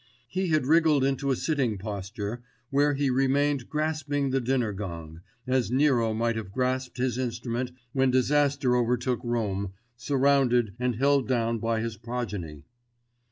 He had wriggled into a sitting posture, where he remained grasping the dinner gong, as Nero might have grasped his instrument when disaster overtook Rome, surrounded and held down by his progeny.